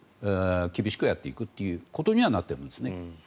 厳しくやっていくということにはなっているんですね。